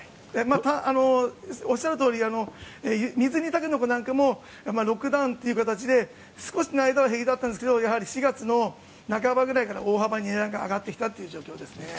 おっしゃるとおり水煮タケノコなんかもロックダウンという形で少しの間は平気だったんですがやはり４月の半ばぐらいから大幅に値段が上がってきた状況ですね。